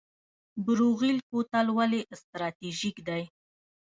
بروغیل کوتل ولې استراتیژیک دی؟